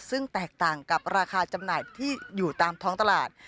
ซึ่งแตกต่างกับราคาจำหน่ายที่อยู่ตามท้องตลาด